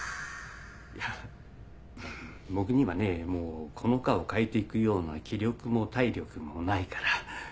いや僕にはねもうこの課を変えて行くような気力も体力もないから。